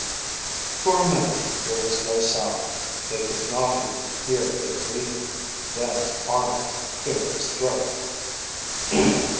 For a minute there was no sound. They could not even hear their breathing. Then Arnold cleared his throat.